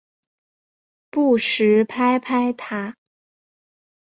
不时拍拍她